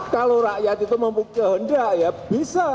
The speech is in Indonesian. kalau rakyat itu mempunyai kehendak ya bisa